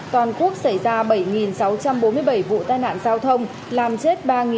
toàn quốc xảy ra bảy sáu trăm bốn mươi bảy vụ tài nạn giao thông